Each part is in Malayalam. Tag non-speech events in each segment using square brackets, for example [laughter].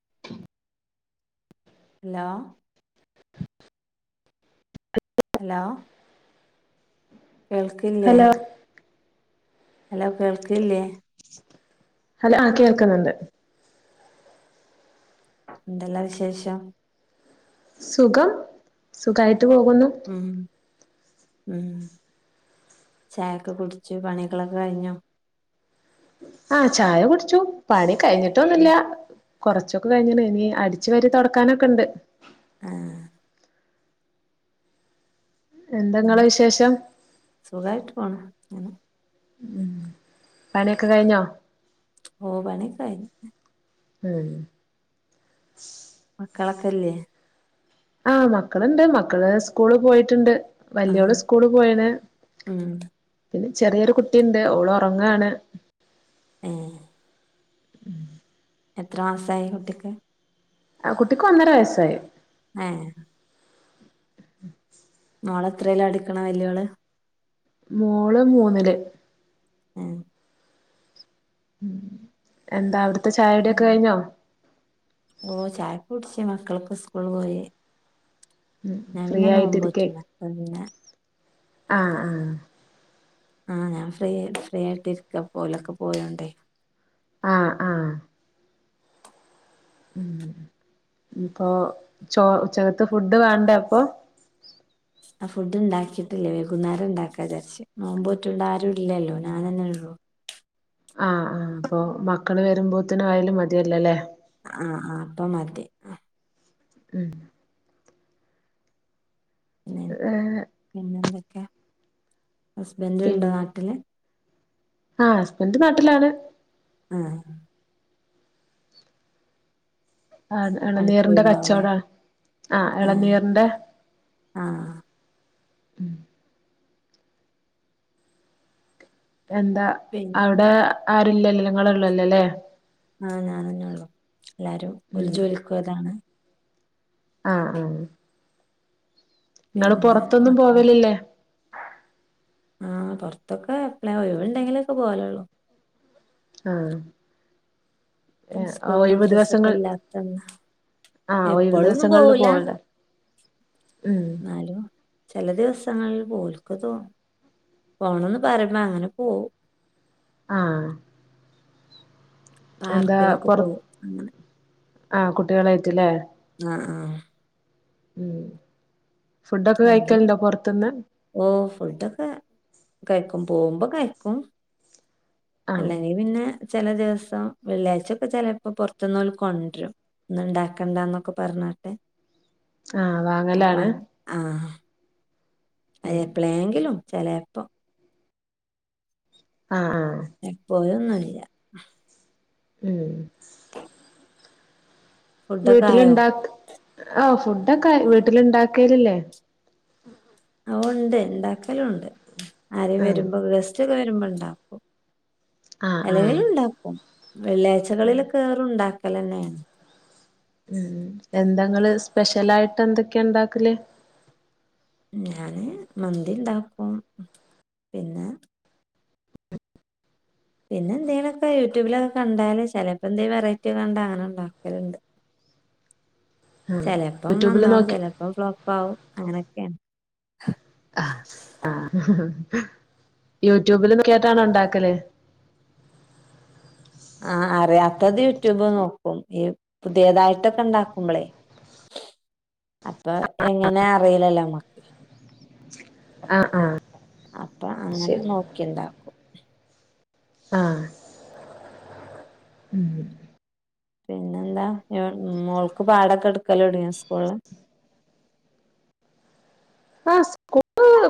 [unintelligible] ല്ല കേൾക്കില്ലേ ഹലോ ഹലോ കേൾക്കല്ലേ ഹലോ ആ കേൾക്കുന്നുണ്ട് എന്തെല്ലാ വിശേഷം സുഖം സുഖമായിട്ട ട്ട് പോകുന്നു ഉം ഉം ചായക്ക് കുടിച്ചു പണികളൊക്കെ കഴിഞ്ഞോ ആഹ ചായ കുടിച്ചു പണി കഴിഞ്ഞിട്ടൊന്നില്ല കൊറച്ചൊക്കെ കഴിഞ്ഞിന് ഇനി അടിച്ചു വരി തുടക്കാനൊക്കെ ഉണ്ട് ആ എന്താ ഇങ്ങളെ പിന്നെ വിശേഷം സുഖായിട്ട് പോണ അങ്ങനെ ഉം പണി ഒക്കെ കഴിഞ്ഞോ ഓ പണി ഒക്കെ കഴിഞ്ഞു ഉം മക്കളൊക്കെ ഇല്ലേ ആഹ മക്കളുണ്ട് മക്കള് സ്കൂള് പോയിട്ടുണ്ട് വലിയോള് ആഹ് സ്കൂള് പോയീന്ന് ഉം പിന്നെ ചെറിയൊരു കുട്ടിയുണ്ട് ഓള് ഉറങ്ങാണ് ഏ ഉം എത്ര മാസായി കുട്ടിക്ക് ആ കുട്ടിക്ക് ഒന്നര വയസായി ആഹ ഉ മോളെത്രെലാ പഠിക്കണേ വല്ല്യാള് മോള് മൂന്നില് ആഹ ഉ എന്താ അവിടു ഇത്ത ഉം ചായടെൊക്കെ കഴിഞ്ഞോ കുടച്ച് മക്കൾക്ക് സ്കൂള് പോയി ഞാൻ ഫ്രീ പിന്നെ ആയിട്ടിരിക്കെ നോമ്പോറ്റുന്ന പിന്നെ- ആ ആ- ആ ഞാൻ ഫ്രീ ഫ്രീ ആയിട്ട് ഇരിക്ക, ഓലൊക്കെ പോയോണ്ടേ. ആ ആ- ഉം ഇപ്പൊ ചോർ ഉച്ചക്കത്തെ ഫുഡ് വേണ്ടെ അപ്പൊ? ആ ഫുഡുണ്ടാക്കിയിട്ടില്ലേ വെകുന്നേരംണ്ടാക്കാന്നു വിചാരിച്ച്, നോമ്പോറ്റുള്ള ആരും ഇല്ലല്ലോ ഞാനന്നെ ഉള്ളു. ആ അപ്പൊ മക്കള് വരുമ്പോത്തിന് ആയാലും മതിയല്ലല്ലേ? ആ ആ അപ്പം മതി. ഉം - പിന്നെ ഏഹ് പിന്നെന്ത്? ഹസ്ബൻഡുണ്ടോ നാട്ടില്? ആ ഹസ്ബൻഡ് നാട്ടിലാണ്. ആ- ആത് പണിക്ക് എളനീറിന്റെ പോയിണ്ടാവൂലേ കച്ചവടം ആണ്. ആ ആഹ് എളനീറിന്റെ. ആഹ് - ഉം എന്താ അവിടെ പിന്നെന്താ ആരുല്ലല്ലേ? നിങ്ങളെള്ളല്ലല്ലേ? ആ ഞാനന്നെയള്ളു. എല്ലാരും ഓൽജോലിക്കു പോയതാണ്. ആ ആ നിങ്ങള് പിന്നെ പൊറത്തൊന്നും പോകലില്ലേ? ആ പൊറത്തൊക്കെ എപ്ലെ ഒയിവൊണ്ടെങ്കിലൊക്കെ പോകലൊള്ളു. ആ ഇസ്കൂളും മദ്രസൊക്കെല്ലാത്തന്ന്. ആഹ് ഒഴിവ് എപ്പഴൊന്നും ദിവസങ്ങളില് പോവൂല പോവല്ലേ ഉം ന്നാലും ചെല ദിവസങ്ങളിൽ. ഓല്ക്ക് തോന്ന പോണന്ന് പറയുമ്പ അങ്ങനെ പോവും. ആ പാർക്കിലൊക്കെ പോകും അങ്ങനെ. ആ കുട്ടികളു ആയിട്ടല്ലേ? ആ ഉം ഫുഡൊക്കെ അല്ലെങ്കിൽ കഴിക്കലണ്ടോ പൊറത്തന്ന്? ഓ ഫുഡൊക്കെ കഴിക്കും പോകുമ്പ കഴിക്കും. ആഹ് അല്ലെങ്കി പിന്നെ ചെല ദിവസം വെള്ളിയാഴ്ചൊക്കെ ചെലപ്പോ പൊറത്തുന്നോല് കൊണ്ടരും ഇന്ന് ഇണ്ടാക്കണ്ടന്നൊക്കെ പറഞ്ഞട്ടെ. ആഹ് വാങ്ങലാണ്. ആഹ് അത് ഉം എപ്പളേങ്കിലും. ചെലേപ്പം. ആ ആഹ് ഒന്നു ഇല്ല ഉം ഫുഡൊക്കെ ആയോ വീട്ടിലുണ്ടാക്ക്‌ ആ ഫുഡ് വീട്ടില് ഇണ്ടാക്കീലില്ലേ ഓ ഉണ്ട് ഇണ്ടാക്കലും ഒണ്ട് ആരെയും ആഹ് വരുമ്പോം ഗസ് വരുമ്പോ ഉണ്ടാക്കും ആഹ് ആഹ് അല്ലെങ്കിലും ഉണ്ടാക്കും ഉം വെള്ളിയാഴ്ചകളിലൊക്കെ ഏറും ഒണ്ടാക് പലന്നെ ഉം എന്താങ്ങള് സ്പെഷ്യലായിട്ട് എന്തൊക്കെയാ ഉണ്ടാക്കല് ഞാന് മന്തി ഉണ്ടാക്കും പിന്നെ പിന്നെ എന്തേയിലൊക്കെ യൂട്യൂബിലൊക്കെ കണ്ടാല് ചിലപ്പോ എന്തേ വെറൈറ്റി കണ്ടാ അങ്ങനെഒണ്ടാക്കലുണ്ട് ചിലപ്പം യൂട്യൂബില് നന്നാവും നോക്കി ചിലപ്പം ഫ്ലോപ്പ് ആവും അങ്ങനൊക്കെയാ ആ ആ യൂട്യൂബില് നോക്കീട്ടാണോ ഒണ്ടാക്കല് ആ അറിയാത്തത് യൂട്യൂബ് നോക്കും ഈ പുതിയതായിട്ടൊക്കെ ഒണ്ടാക്കുമ്പളെ അപ്പൊ എങ്ങനെ അറിയിലല്ലോ നമ [inaudible] ആഹ് ആഹ് അപ്പൊ അങ്ങനെ ശരി നോക്കി ഇണ്ടാക്കും ആ ഉം പിന്നെന്താ ഞാ മോൾക്ക് പാടൊക്കെ എടുക്കല് തൊടങ്ങിയാ സ്കൂളില്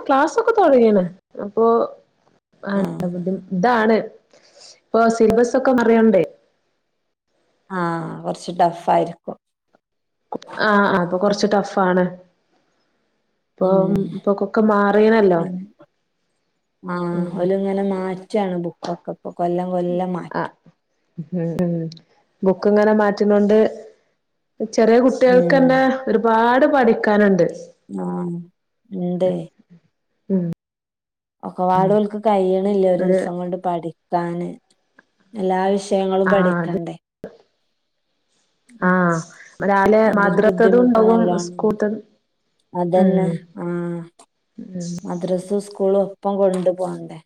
ക്ലാസൊക്കെ തുടങ്ങിയണ് അപ്പൊ ആ ആഹ് [inaudible] ഇതാണ് ഇപ്പൊ സിലബസ് ഒക്കെ അറിയണ്ടേ ആഹ് കൊറച്ച് ടഫ് ആയിറിക്കും ആഹ് ആ അപ്പൊ കൊറ ഇച്ചിരി ടഫാണ് ഇപ്പൊ ഉം ഇപ്പൊക്കൊക്കെ മാറീണല്ലോ ആ ഓലങ്ങനെ മാ ബുക്കൊക്കെ ഇപ്പൊ കൊല്ലം കൊല്ലം ആഹ് മാറ്റും ഉം ഉം ബുക്ക് ഇങ്ങനെ മാറ്റുന്നുണ്ട് ചെറിയ കുട്ടികൾക്ക് തന്നെ ഉം ഒരുപാട് പഠിക്കാനൊണ്ട് ആഹ് ഉണ്ടേ ഉം ഒക്കെവാടെ ഓൽക്ക് കഴിയണില്ല ഒരു ദിവസം കൊണ്ട് പടി ക്കാന് എല്ലാ വിഷ യങ്ങളും ആഹ് അത് പഠിക്കണ്ടേ. ഉം ആഹ് രാവിലെ അതിന്റെരു മദ്രത്തതും ബുദ്ധിമുട്ട് ഉണ്ടാവും നല്ലോണംണ്ട് സ്കൂൾത്തതും അതന്നെ ഉം ആഹ് മദ്രസ് സ്കൂളും. ഒപ്പം കൊണ്ടു പോകണ്ടേ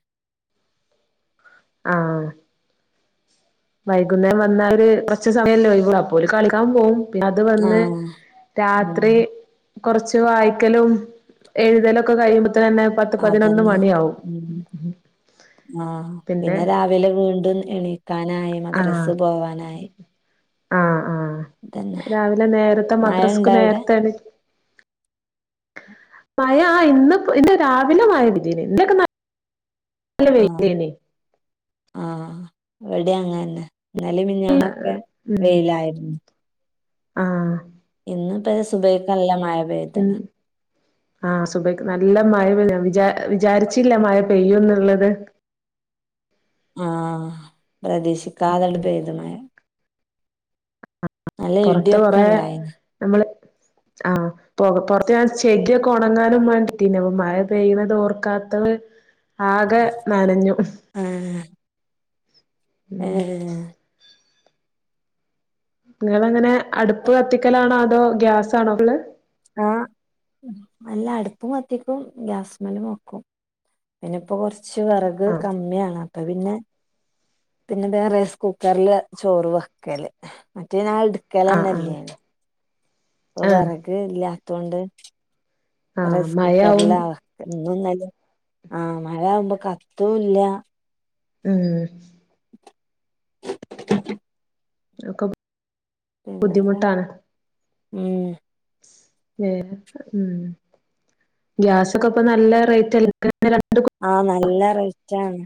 ആഹ് വൈകുന്നേരം വന്നാ ഒരു കുറച്ചു സമയല്ലേ ഒഴിവ് അപ്പോ ഓല് കളിക്കാൻ പോവും. അത് വന്ന് ആഹ് ഉം രാത്രി കുറച്ച് വായ്ക്കലും എഴുതലും ഒക്കെ കഴിയുമ്പോ അതന്നെ ഉം ആഹ് പിന്നെ രാവിലെ വീണ്ടും എണീ ക്കാനായി ആഹ് മദ്രസ് പോവാനായി. ആ തന്നെ രാവിലെ നേരത്തെ മഴ മദ്രസക്ക് ഇണ്ടോ അവിടെ നേരത്തെ എനി മയ ആ ഇന്ന് ഇന്ന് രാവിലെ മയപെയ് തിനി ഇതിലേക്കൊന്ന് നല്ല വെയിൽലെനി ആ ഇവിടെ അങ്ങന്നെ മിഞ്ഞാന്നോക്കെ വെയിലായിരുന്നു ആ ഇന്ന് ഇപ്പ സുഭയക്കല്ല മയ പേയ്ത്ണ് ആ സുബൈക്ക് നല്ലമഴ പെയും വിചാ വിചാരിച്ചില്ല മഴ പെയ്യും ന്നുള്ളത് ആ പ്രദേീശിക്കാതൽ പെയ്തു മഴ നല്ല പുറത്ത് കൊറ ഇടിയൊക്കെ ഇണ്ടായിന് നമ്മള് ആ പോറുത്തു ഞൻ ചെകിരീ യൊക്കെ ഉണങ്ങാനും വേണ്ടിഇട്ടിനി മഴ പെയ്തത് ഓർക്കാത്തത് ആകെ നനഞ്ഞു ഏ ഉം നിങ്ങളങ്ങനെ അടുപ്പ് കത്തിക്കലാണോ അതോ ഗ്യാസാണോ [unintelligible] ആഹ് അല്ല അടുപ്പും കത്തിക്കും ഗ്യാസ് മേലും വക്കും പിന്നെ ഇപ്പോ കൊറ [unintelligible] വെറക് ആഹ് കമ്മിയാണ് അപ്പൊ പിന്നെ പിന്നെ വേറെ സ് കുക്കറില് ചോറ് വെക്കല് ആഹ് ആഹ് [unintelligible] ഇപ്പ ആഹ് വിറക് ഇല്ല [unintelligible] ആഹ് റൈസ് മഴയാവും കുക്കറില എന്നും [unintelligible] ആഹ് മഴ ആകുമ്പോ കത്തു ഇല്ല. ഉം [unintelligible] പിന്നെന്താ ബുദ്ധിമുട്ടാണ് ഉം [unintelligible] ഗ്യാസൊക്കെ ഇപ്പ നല്ല റേറ്റ [unintelligible] ആഹ് നല്ല റേറ്റാണ്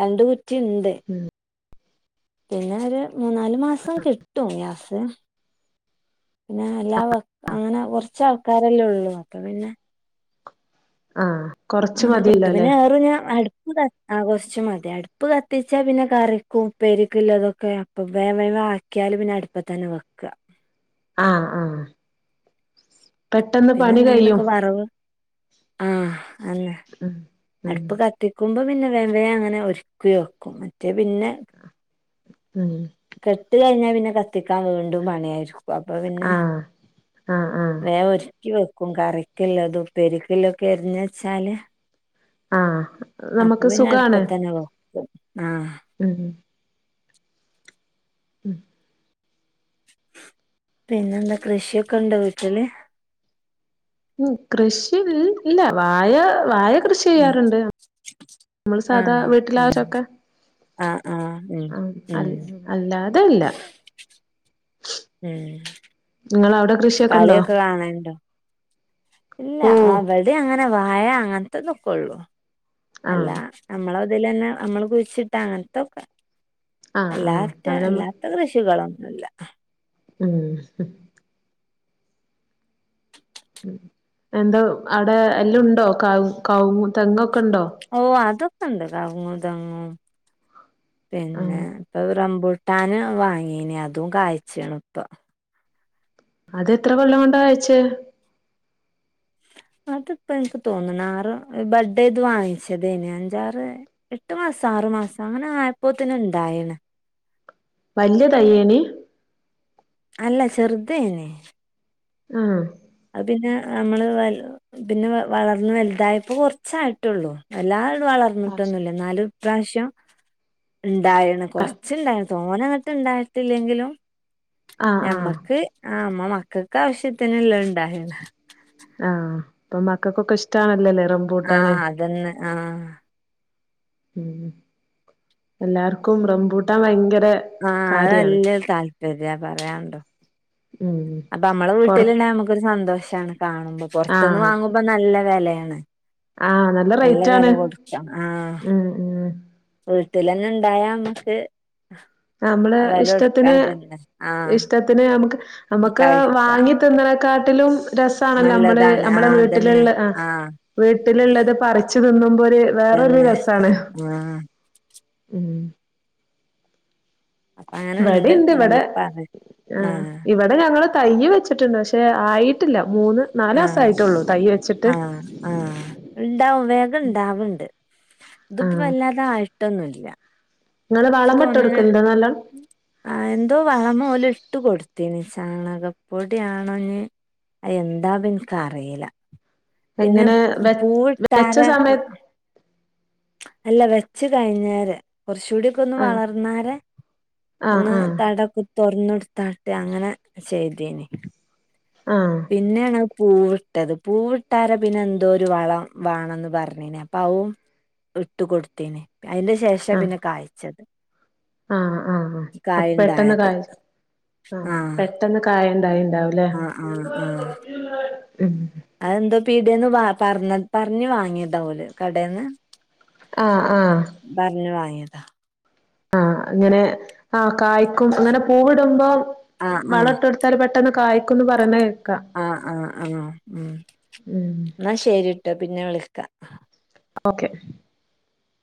രണ്ട് കു [unintelligible] ഇണ്ട് പിന്നെ ഒര് മൂന്നാല് മാസം കിട്ടും ഗ്യാസ് പിന്നാ എല്ലാ [unintelligible] അങ്ങനെ കൊറച്ചാ ആൾ [unintelligible] അപ്പ പിന്നെ ആഹ് കൊറച്ച് ആണാ [unintelligible] മതിയല്ലോ അല്ലേ പിന്നെ [unintelligible] ഞാൻ അടുപ്പു ആ കൊറച്ച് മതി അടുപ്പ് കത്തിച്ചാ പിന്നെ കറിക്കും ഉപ്പേരിക്കും ഇല്ല അതൊക്കെ അപ്പ വേ വേ ആക്കിയാലും പിന്നെ അടുപ്പ തന്നെ വെക്ക്ക ആഹ് ആഹ് പെട്ടെന്ന് പിന്നെ പണി എന്തെങ്കിലൊക്കെ കഴിയും വെറവ് ആഹ് അങ്ങ ഉം ഉം അടുപ്പ് കത്തിക്കുമ്പോ- പിന്ന വേം വേം അങ്ങനെ ഒരുക്കി വെക്കും മറ്റേ പിന്നെ ഉം കെട്ട് കഴ്ഞ്ഞാൽ പിന്നെ കത്തിക്കാൻ വീണ്ടും പണിയായി [unintelligible] അപ്പൊ പിന്നെ ആഹ് ആഹ് ആഹ് [unintelligible] [unintelligible] വെക്കും കറിക്കല്ല അത് ഉപ്പരിക്ക്ല്ലൊക്കെ അരിഞ്ഞ് വച്ചാല് ആഹ് അപ്പൊ നമുക്ക് പിന്നെ അടുപ്പ സുഖാണ് തന്നെ വെക്കും ആഹ് ഉം ഉം പിന്നെന്താ കൃഷിയൊക്കെ ഇണ്ടോ വീട്ടില് ഉം കൃഷി ഇൽ ഇല്ല വായ വായ കൃഷി ചെയ്യാറുണ്ട് നമ്മള് സാധാ ആഹ് ആഹ് വീട്ടിലാവശ്യക്കെ ആഹ് ആഹ് ഉം ആ ഉം [unintelligible] അല്ലാതെ ഇല്ല നിങ്ങളാ അവടെ കളിയൊക്ക കാണേണ്ടോ ഇല്ല ഓഹ് അവടെ അങ്ങ പിന്നെ വാഴ അങ്ങതത്തൊക്കോള്ളൂ അല്ല ആഹ് നമ്മളതിലന്നെ നമ്മള് കുഴിച്ചിട്ട അങ്ങനത്തൊക്കെ ആഹ് ആഹ് അല്ലാത്ത നമ്മള് അല്ലാത്ത കൃഷികള് അല്ല. ഉം. എന്താ അവിടെ എല്ലാം ഉണ്ടോ കൗ കൗ തെങൊ ഓ അതൊക്കണ്ട് കൗങ്ങും തെങ്ങും പിന്നെ ആഹ് ഇവ് റമ്പ് ട്ടാന് വാങ്ങീന അതും കാഴ്ചണ ഇപ്പ. അതെത്ര വെള്ളം കൊണ്ട അയച്ചേ? അതിപ്പോ എനിക്ക് തോന്നണ ആറ് ബഡേ ഇത് വാങ്ങിച്ചതേന് അഞ്ചാറ് എട്ടു മാസം ആറു മാസം അങ്ങനെ ആയപ്പോ തന്നെ ഇണ്ടായിണ്. വല്യ തയ്യേന് അല്ല ചർതേന് ആഹ്. അത് പിന്നെ നമ്മള് വ പിന്നെ വളർന്ന് വലുതായപ്പോ കുറച്ചായിട്ടുള്ളൂ എല്ലാ ആഹ് വളർന്നിട്ടൊന്നുല്ല എന്നാലും ഇപ്രശ്യം ഇണ്ടായാണ് കുറച്ചുണ്ടായ തോനങ്ങിട്ട് ഇണ്ടായിട്ടില്ലെങ്കിലും ആഹ് ആഹ് ഞമ്മക്ക് ആ മ മക്കൊക്കെ ആവശ്യത്തിനല്ലാ ഹ. അപ്പൊ മക്കൊക്കെ ഇഷ്ടണല്ലല്ലേ. ആഹ് അതന്നെ ആഹ്. [inaudible] ഉം എല്ലാർക്കും റംബൂട്ടാ ഭയങ്കര ആഹ കാര്യാണ് അത്ല്ലരു താല്പര്യ പറയാനണ്ടോ. ഉം അപ്പൊ നമ്മളെ പൊറ വീട്ടിലണ്ട നമുക്കൊരു സന്തോഷം. ചണ കാണുമ്പോ പുറത്തുന്ന് ആഹ് വാങ്ങുമ്പോ നല്ല വേലയ ഉം. ആഹ് നല്ല റേറ്റ് ആണ് ഉം ഉം. ഉൾട്ടന്ന ഉണ്ടായാ നമ്മുക്ക് നമ്മള് ഇഷ്ടത്തിന് ആഹ് ഇഷ്ടത്തിന് നമുക്ക് നമുക്ക് കഴിക്ക വാങ്ങി തിന്നണ കാട്ടിലും രസണല്ലോ നമ്മള് നല്ലതാണ് നമ്മടെ ആഹ് അതന്നെ വീട്ടിലുള്ള ആ ആഹ് വീട്ടിലുള്ളത് പറീച്ച് തിന്നുമ്പോ ഒരു വേറരു തന്നെ രസാണ് ആഹ് ഉം അപ്പൊ അങ്ങനെ ഇണ്ട് ഇവിടെണ്ട് നല്ല ഇവിടെ പറ ആ ആഹ് ഇവിടെ ഞങ്ങള് തൈയ് വെച്ചിട്ടുണ്ട് പക്ഷെ ആയിട്ടില്ല. മൂന്ന് നാല് ആ മാസായിട്ടുള്ളൂ തൈ വെച്ചിട്ട് ഹാ ആ ആ ഇണ്ടാവും വേഗം ഇണ്ടാവുണ്ട് ആ ഇതിപ്പോ വല്ലാതെ ആയിട്ടൊന്നുല്ല നിങ്ങള് ച്ച് വളം ഇട്ട് തോന്നുന്നേ കൊടുക്കലുണ്ടോ നല്ലോം ആ എന്തോ വളമോ ല് ഇട്ട് കൊടുത്തേന് ചാണകപ്പൊടിയാണോഞ് എന്താന്ന് എന്ക്ക് അറിയില പിന്നെ എങ്ങനെ വെ പൂൾ വെച്ച താര സമയത്ത് അല്ല വെച്ച് കഴിഞ്ഞേര് കുറച്ചുകൂടി ഒക്കെ ഒന്ന് ആ വളർന്നരെ ആ ഒന്ന് ആ തടക്കും തൊറന്നെടുത്താട്ടെ അങ്ങനെ ചെയ്തീനി ആ പിന്നെയാണ് പൂവിട്ടത് പൂവിട്ടാരെ പിന്നെ എന്തോ ഒരു വളം വേണംന്ന് പറഞ്ഞീനെ അപ്പ അവും ഇട്ട് കൊടുത്തനെ അതിന് ശേഷം പിന്നെ കായ്ച്ചത്. ആ ആ അ അപ്പൊ പെട്ടെന്ന് കായുണ്ടായത്. കയിച് ആ പെട്ടെന്ന് കായ ഉണ്ടായിണ്ടാവുംല്ലേ ആ ആ ആ ഉം അതെന്തോ പീടിയന്ന് വ പറഞ്ഞത് പറഞ്ഞു വാങ്ങിയതാവൂലെ കടേന്ന് ആഹ് പറഞ്ഞു വാങ്ങിയ താ ആ അങ്ങനെ ആ കായ്ക്കും അങ്ങനെ പൂവിടുമ്പോ ആഹ് വളഇട്ട് കൊടുത്താല് പെട്ടന്ന് കായ്ക്കുന്ന് പറന്നേ ആ ആ ആ ഉം ഉം എന്നാ ശരിട്ട് പിന്നെ വിളിക്ക ഓക്കെ